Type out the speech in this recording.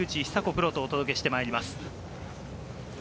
プロとお届けしてまいります。